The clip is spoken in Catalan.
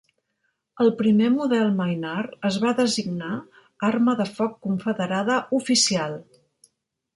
El primer model Maynard es va designar arma de foc confederada oficial.